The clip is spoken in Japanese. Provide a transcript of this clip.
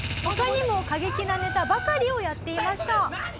他にも過激なネタばかりをやっていました。